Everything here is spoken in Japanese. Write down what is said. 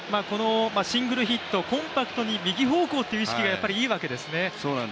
シングルヒット、コンパクトに右方向という意識がいいわけですね。